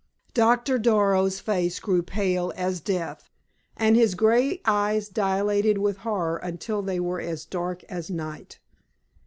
Doctor Darrow's face grew pale as death, and his gray eyes dilated with horror until they were as dark as night.